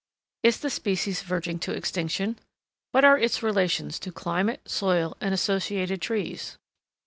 _Is the species verging to extinction? What are its relations to climate, soil, and associated trees?